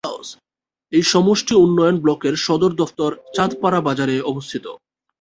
এই সমষ্টি উন্নয়ন ব্লকের সদর দফতর চাঁদপাড়া বাজারে অবস্থিত।